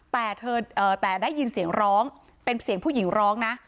แต่เธอแต่ได้ยินเสียงร้องเป็นเสียงผู้หญิงร้องนะ